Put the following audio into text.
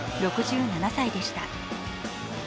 ６７歳でした。